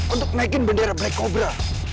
untuk naikin bendera black cobra